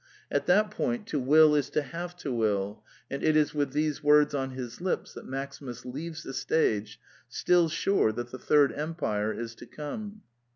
At that point " to will is to have to will "; and it is with these words on his lips that Maximus leaves the stage, still sure that the third empire is to come.